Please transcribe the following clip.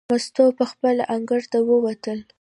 مستو پخپله انګړ ته ووتله.